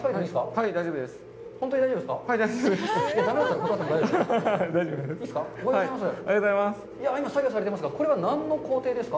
はい、大丈夫です。